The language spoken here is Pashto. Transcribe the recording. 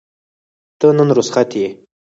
ته نن رخصت یې؟